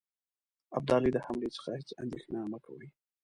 ابدالي د حملې څخه هیڅ اندېښنه مه کوی.